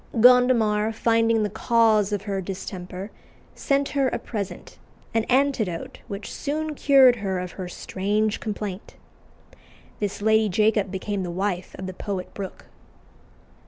Gondomar, finding the cause of her distemper, sent her a present, an antidote which soon cured her of her strange complaint. This Lady Jacob became the wife of the poet Brooke.